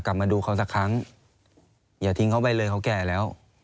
กลับมาดูเขาสักครั้งอย่าทิ้งเขาไปเลยเขาแก่แล้ว